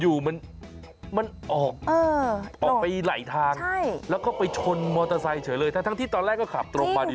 อยู่มันออกไปไหลทางแล้วก็ไปชนมอเตอร์ไซค์เฉยเลยทั้งที่ตอนแรกก็ขับตรงมาดี